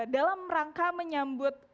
dalam rangka menyambut